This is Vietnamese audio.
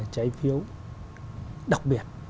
trái phiếu đặc biệt